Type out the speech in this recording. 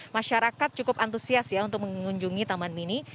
masyarakat cukup antusias ya untuk mengunjungi taman mini